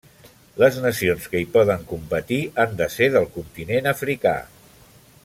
Les nacions que hi poden competir han de ser del continent africà.